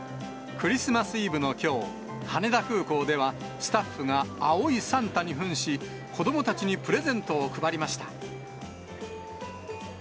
クリスマスイブのきょう、羽田空港ではスタッフが青いサンタにふんし、子どもたちにプレゼントを配りました。